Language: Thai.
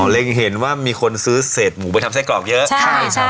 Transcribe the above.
อ๋อเรียกเห็นว่ามีคนซื้อเศษหมูไปทำไส้กรอบเยอะใช่ใช่ใช่